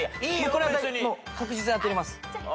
これは確実に当てれます。